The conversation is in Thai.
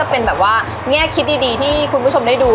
มีขอเสนออยากให้แม่หน่อยอ่อนสิทธิ์การเลี้ยงดู